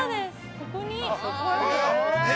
◆ここに。